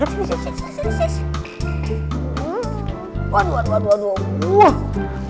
sini sayang duduk sini